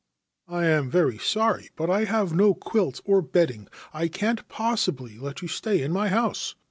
4 1 am very sorry ; but I have no quilts or bedding. I can't possibly let you stay in my house.'